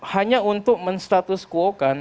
hanya untuk menstatuskuokan